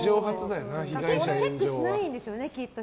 チェックしないんでしょうねきっと。